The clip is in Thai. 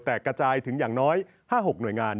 แต่กระจายถึงอย่างน้อย๕๖หน่วยงาน